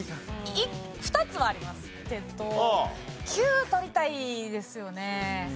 ２つはありますけど９取りたいですよね。